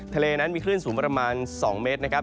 ทะเลนั้นมีคลื่นสูงประมาณ๒เมตรนะครับ